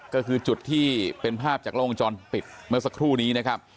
ก็คือจุดที่เป็นภาพจากล้องวงจรปิดเมื่อสักครู่นี้นะครับ